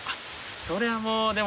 それはもうでも。